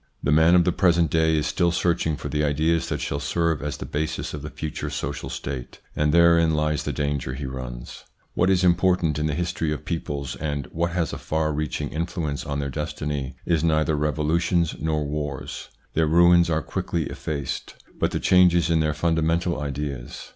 The man of the present day is still searching for the ideas that shall serve as the basis of the future social state, and therein lies the danger he runs. What is important in the history of peoples, and what has a far reaching influence on their destiny, is neither revolutions nor wars their ruins are quickly effaced but the changes in their fundamental ideas.